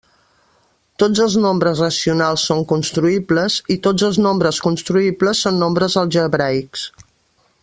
Tots els nombres racionals són construïbles, i tots els nombres construïbles són nombres algebraics.